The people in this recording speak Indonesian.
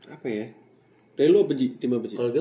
apa ya dari lu apa timnya